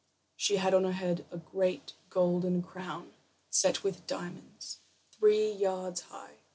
She had on her head a great golden crown, set with diamonds, three yards high.